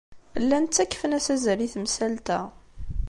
Llan ttakfen-as azal i temsalt-a.